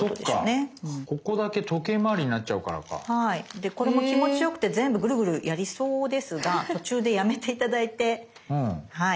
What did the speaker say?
でこれも気持ち良くて全部ぐるぐるやりそうですが途中でやめて頂いてはい